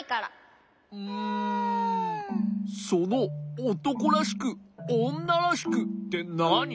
そのおとこらしくおんならしくってなに？